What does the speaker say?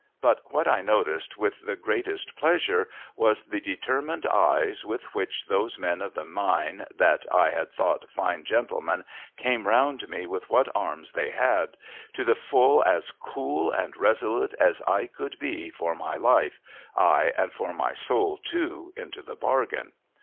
But, what I noticed with the greatest pleasure was, the determined eyes with which those men of the Mine that I had thought fine gentlemen, came round me with what arms they had : to the full as cool and resolute as I could be, for my life — ay, and for my soul, too, into the bargain